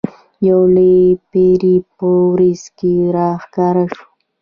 یو لوی پیری په وریځ کې را ښکاره شو.